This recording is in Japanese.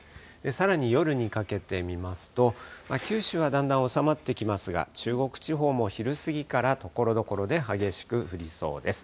さらに夜にかけて見ますと、九州はだんだん収まってきますが、中国地方も昼過ぎから、ところどころで激しく降りそうです。